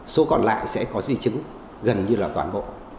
số còn lại sẽ có di chứng gần như là toàn bộ